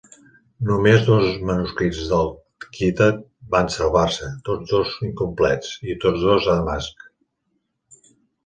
Només dos manuscrits del "Kitab" van salvar-se, tots dos incomplets, i tots dos a Damasc.